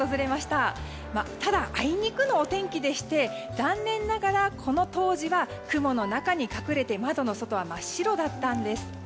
ただ、あいにくのお天気でして残念ながら、この当時は雲の中に隠れて窓の外は真っ白だったんです。